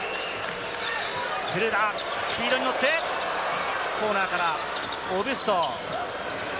シュルーダー、スピードに乗って、コーナーからオブスト。